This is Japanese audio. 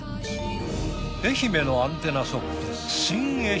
愛媛のアンテナショップ